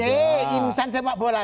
oke insan sepak bola